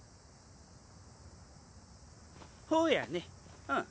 ほやねうん。